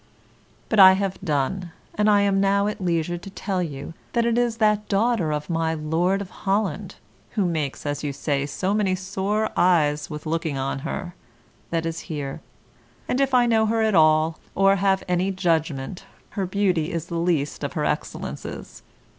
But I have done, and am now at leisure to tell you that it is that daughter of my Lord of Holland (who makes, as you say, so many sore eyes with looking on her) that is here; and if I know her at all, or have any judgment, her beauty is the least of her excellences.